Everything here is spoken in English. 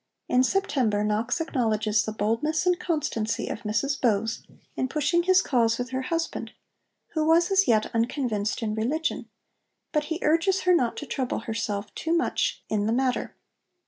In September Knox acknowledges the 'boldness and constancy' of Mrs Bowes in pushing his cause with her husband, who was as yet 'unconvinced in religion,' but he urges her not to trouble herself too much in the matter.